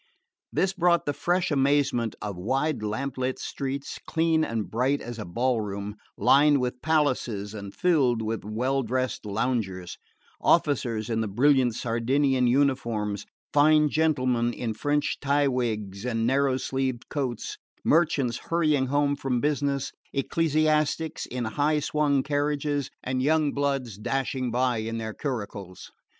This brought the fresh amazement of wide lamplit streets, clean and bright as a ball room, lined with palaces and filled with well dressed loungers: officers in the brilliant Sardinian uniforms, fine gentlemen in French tie wigs and narrow sleeved coats, merchants hurrying home from business, ecclesiastics in high swung carriages, and young bloods dashing by in their curricles.